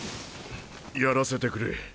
やらせてくれ。